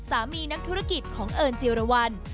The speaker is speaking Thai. นักธุรกิจของเอิญจิรวรรณ